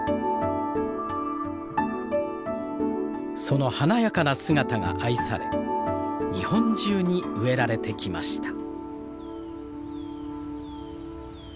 その華やかな姿が愛され日本中に植えられてきました。